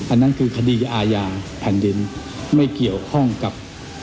อันนั้นคือคดีอาญาแผ่นดินไม่เกี่ยวข้องกับ